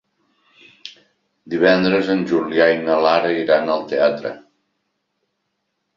Divendres en Julià i na Lara iran al teatre.